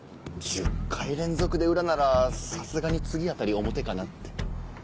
１０回連続で裏ならさすがに次あたり表かなって。